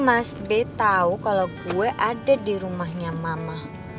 mas b tau kalo gue ada di rumahnya mama